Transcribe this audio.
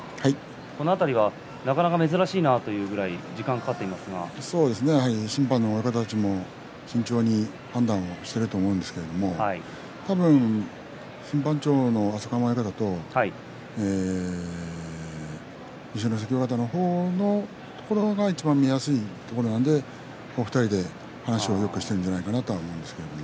この辺りは、なかなか珍しいなというぐらい審判の人たちも慎重に判断をしていると思うんですけど多分、審判長の浅香山親方と二所ノ関親方のところがいちばん見やすいところなので２人で話をしているんじゃないかと思います。